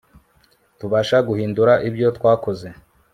tubasha guhindura ibyo twakoze